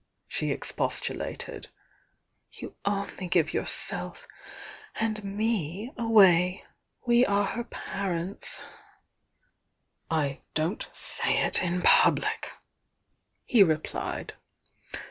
she expostulated. "You only give yourself and me away! We are her parents!" I don't say it in public," he replied.